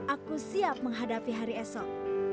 aku siap menghadapi hari esok